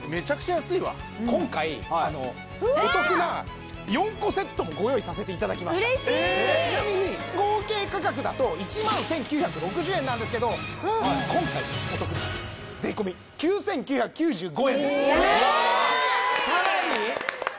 今回お得な４個セットもご用意させていただきましたちなみに合計価格だと１万１９６０円なんですけど今回お得です税込９９９５円ですさらに！？